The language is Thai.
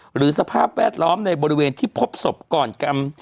สภาพแวดล้อมในบริเวณที่พบศพก่อนกัน